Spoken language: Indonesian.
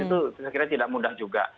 itu saya kira tidak mudah juga